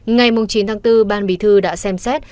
ngày chín tháng bốn ban bí thư đã xem xét